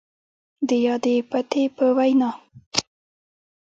د يادې پتې په وينا،